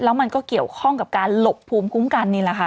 แล้วมันก็เกี่ยวข้องกับการหลบภูมิคุ้มกันนี่แหละค่ะ